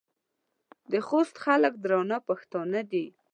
د خوست خلک درانه پښتانه دي.